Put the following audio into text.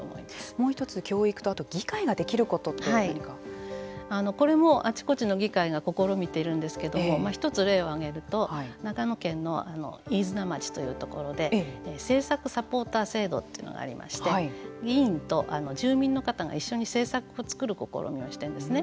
もう一つ教育と、あと議会がこれもあちこちの議会が試みているんですけれども１つ例を挙げると長野県の飯綱町というところで政策サポーター制度というのがありまして議員と住民の方が一緒に政策を作る試みをしているんですね。